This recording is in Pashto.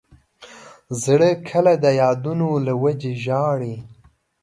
زړه کله د یادونو له وجې ژاړي.